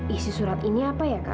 isi surat ini apa ya kak